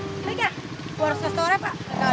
ayo kak gua harus kasih tau reva